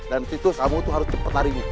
dan titu kamu tuh harus cepet larinya